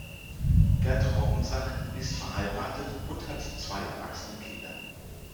Gerd Roggensack ist verheiratet und hat zwei erwachsene Kinder.